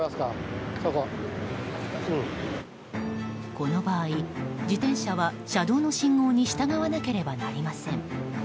この場合、自転車は車道の信号に従わなければなりません。